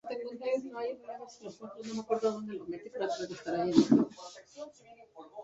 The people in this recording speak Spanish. Su aportación es pluvial siendo muy escasas las precipitaciones en forma de nieve.